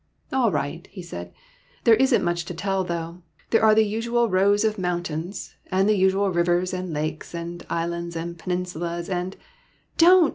" All right," he said. " There is n't much to tell, though. There are the usual rows of mountains, and the usual rivers and lakes and islands and peninsulas and —"" Don't